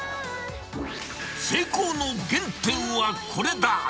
成功の原点はこれだ。